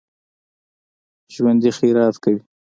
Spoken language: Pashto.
ژوندي خیرات کوي